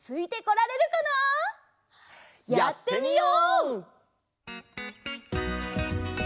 やってみよう！